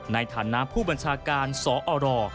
ในฐานะผู้บัญชาการสอร